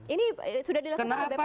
ini sudah dilakukan oleh bpn saat ini